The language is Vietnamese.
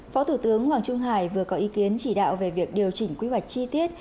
phó thủ tướng hoàng trung hải vừa có ý kiến chỉ đạo về việc điều chỉnh quy hoạch chi tiết